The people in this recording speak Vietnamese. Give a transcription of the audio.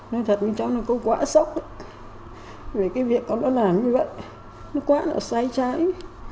nói thật con cháu nó có quá sốc vì cái việc con nó làm như vậy nó quá là sai trái